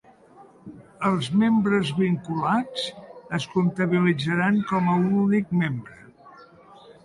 Els membres vinculats es comptabilitzaran com a un únic membre.